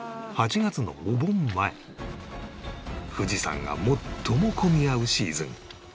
８月のお盆前富士山が最も混み合うシーズン